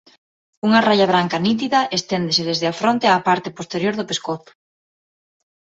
Unha raia branca nítida esténdese desde a fronte á parte posterior do pescozo.